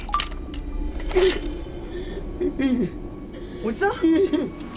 おじさん？